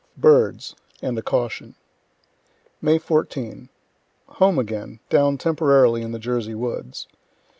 BIRDS AND A CAUTION May 14. Home again; down temporarily in the Jersey woods.